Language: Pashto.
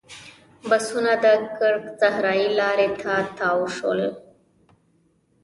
بسونه د کرک صحرایي لارې ته تاو شول.